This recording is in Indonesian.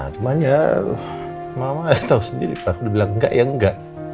cuman ya mama aja tau sendiri aku udah bilang enggak ya enggak